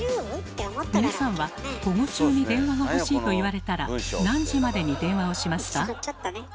皆さんは午後中に電話が欲しいと言われたら何時までに電話をしますか？